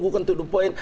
bukan tuduh poin